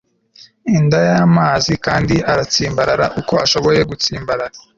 inda y'amazi, kandi aratsimbarara, uko ashoboye gutsimbarara